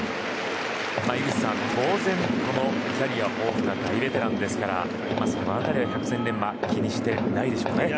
井口さん、当然キャリア豊富な大ベテランですからその辺りは百戦錬磨気にしていないでしょうね。